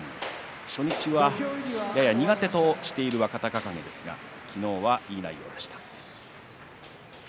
初日は、やや苦手としている若隆景ですが昨日は、いい内容でした。